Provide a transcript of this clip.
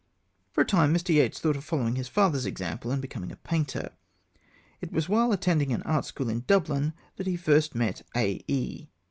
For a time Mr. Yeats thought of following his father's example and becoming a painter. It was while attending an art school in Dublin that he first met A.E.